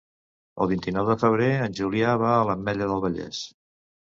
El vint-i-nou de febrer en Julià va a l'Ametlla del Vallès.